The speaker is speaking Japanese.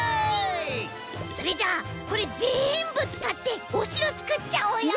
それじゃあこれぜんぶつかっておしろつくっちゃおうよ！